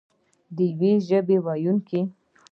د یوې ژبې ویونکي.